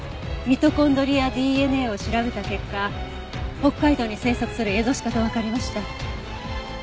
ミトコンドリアＤＮＡを調べた結果北海道に生息するエゾシカとわかりました。